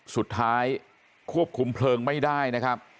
สุดท้ายควบคุมเพลิงไม่ได้นะครับ